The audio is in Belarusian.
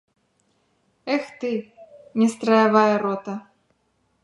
Эх ты, нестраявая рота!